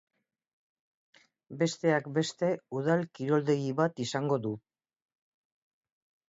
Besteak beste, udal kiroldegi bat izango du.